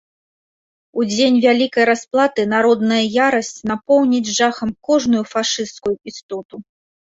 У дзень вялікай расплаты народная ярасць напоўніць жахам кожную фашысцкую істоту.